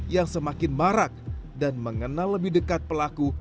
yang semakin marak dan mengenal lebih dekat pelaku